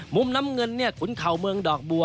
มุมน้ำเงินเนี่ยขุนเข่าเมืองดอกบัว